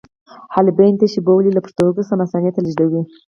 حالبین تشې بولې له پښتورګو څخه مثانې ته لیږدوي.